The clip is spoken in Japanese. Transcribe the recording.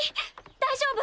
大丈夫？